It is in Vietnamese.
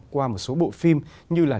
qua một số bộ phim như là